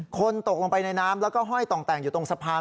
คนตกลงไปในน้ำแล้วก็ห้อยต่องแต่งอยู่ตรงสะพาน